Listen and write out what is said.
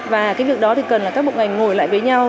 và việc đó cần các bộ ngành ngồi lại với nhau